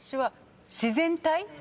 「自然体」？